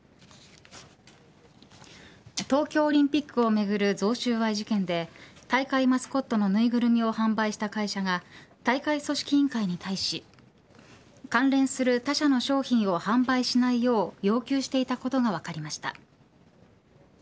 東京オリンピックをめぐる贈収賄事件で大会マスコットの縫いぐるみを販売した会社が大会組織委員会に対し関連する他社の商品を販売しないよう要求していたことが分かりました。